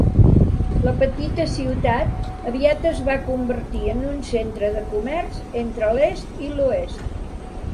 La petita ciutat aviat es va convertir en un centre de comerç entre l'est i l'oest.